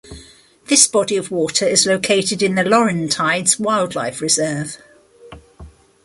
This body of water is located in the Laurentides Wildlife Reserve.